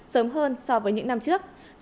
sớm hơn so với những năm trước